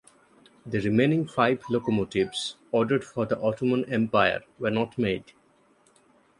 The remaining five locomotives ordered for the Ottoman Empire were not made.